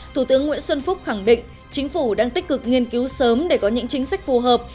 thủ tướng nguyễn xuân phúc khẳng định chính phủ đang tích cực nghiên cứu sớm để có những chính sách phù hợp